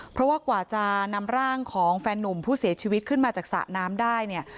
เพราะว่ากว่าจะนำร่างของแฟนนุ่มผู้เสียชีวิตขึ้นมาจากสระน้ำได้เนี่ย